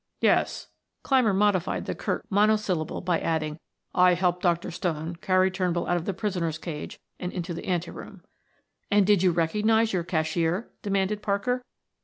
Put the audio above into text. "Yes," Clymer modified the curt monosyllable by adding, "I helped Dr. Stone carry Turnbull out of the prisoners' cage and into the anteroom." "And did you recognize your cashier?" demanded Parker.